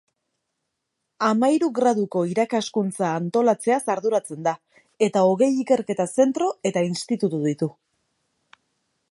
Hamahiru graduko irakaskuntza antolatzeaz arduratzen da, eta hogei ikerketa zentro eta institutu ditu.